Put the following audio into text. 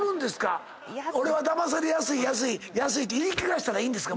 俺はだまされやすいって言い聞かしたらいいんですか？